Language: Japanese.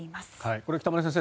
これ、北村先生